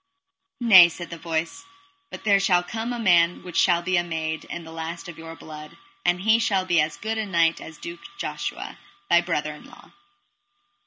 Nay, said the voice, but there shall come a man which shall be a maid, and the last of your blood, and he shall be as good a knight as Duke Josua, thy brother in law.